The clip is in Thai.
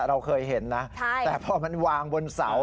เราเคยเห็นนะแต่พอมันวางบนเสา